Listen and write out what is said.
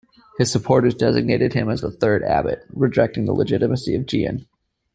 His supporters designated him as the third abbot, rejecting the legitimacy of Gien.